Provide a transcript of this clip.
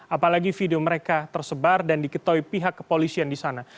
apalagi video mereka tersebar dan diketahui pihak kepolisian di sana